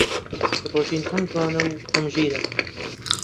ڕۆژین هەم جوان و هەم ژیرە.